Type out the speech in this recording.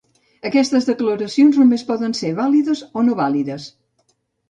Aquestes declaracions només poden ser vàlides o no vàlides.